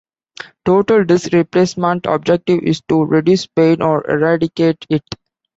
Total disc replacement objective is to reduce pain or eradicate it.